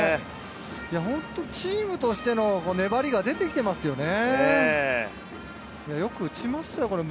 本当にチームとしての粘りが出てきてますよね。